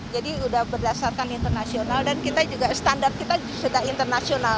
jadi sudah berdasarkan internasional dan standar kita juga sudah internasional